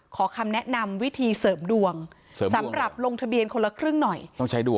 ขอคำแนะนำวิธีเสริมดวงเสริมสำหรับลงทะเบียนคนละครึ่งหน่อยต้องใช้ดวง